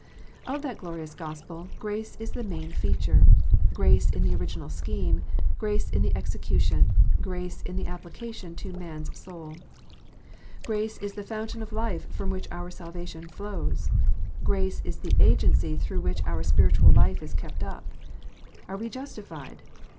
Of that glorious Gospel, grace is the main feature, grace in the original scheme grace in the execution grace in the application to man s soul. Grace is the fountain of life from which our salvation flows. Grace is the agency through which our spiritual life is kept up. Are we justified